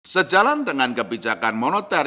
sejalan dengan kebijakan moneter